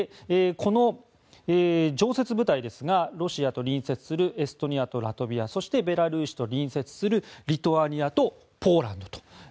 この常設部隊ですがロシアと隣接するエストニアとラトビアそしてベラルーシと隣接するリトアニアとポーランドと。